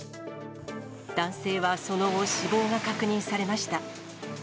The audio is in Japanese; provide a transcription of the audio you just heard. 男性はその後、死亡が確認されました。